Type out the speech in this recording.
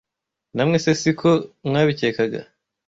Namwe se si ko mwabikekaga?